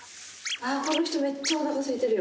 ああ、この人、めっちゃおなかすいてるよ。